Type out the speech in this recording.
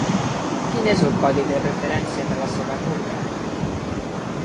Quin és el codi de referència de la seva compra?